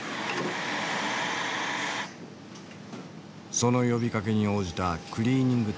その呼びかけに応じたクリーニング店。